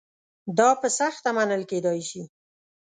دا په سخته منل کېدای شي.